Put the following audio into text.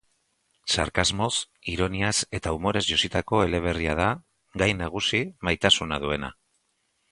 Sarkasmoz, ironiaz eta umorez jositako eleberria da, gai nagusi maitasuna duena.